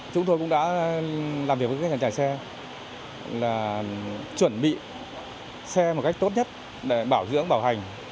chúng tôi cũng đã làm việc với các nhà chải xe là chuẩn bị xe một cách tốt nhất để bảo dưỡng bảo hành